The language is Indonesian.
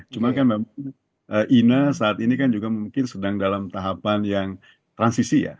cuma kan memang ina saat ini kan juga mungkin sedang dalam tahapan yang transisi ya